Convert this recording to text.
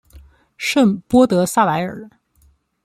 圣波德萨莱尔。